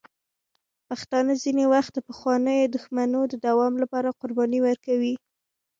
پښتانه ځینې وخت د پخوانیو دښمنیو د دوام لپاره قربانۍ ورکوي.